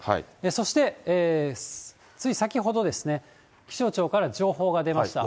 そしてつい先ほどですね、気象庁から情報が出ました。